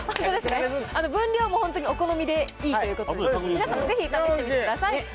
分量も本当にお好みでいいということで、皆さんもぜひ試してみてください。